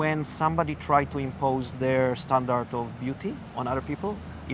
ketika seseorang mencoba untuk memiliki standar kecantikan di orang lain